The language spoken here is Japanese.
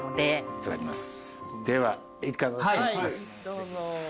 いただきます。